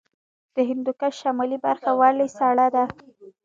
د هندوکش شمالي برخه ولې سړه ده؟